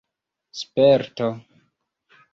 sperto